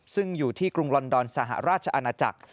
ซึ่งอยู่ที่กรุงลอนดอนสหราชอาณาจักร